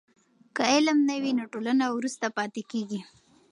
که علم نه وي نو ټولنه وروسته پاتې کېږي.